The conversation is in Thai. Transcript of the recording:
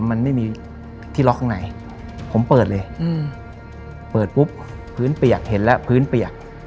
มันไม่มีที่ล็อกข้างในผมเปิดเลยเปิดปุ๊บพื้นเปียกเห็นแล้วพื้นเปียก